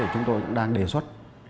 chúng tôi cũng đang đề xuất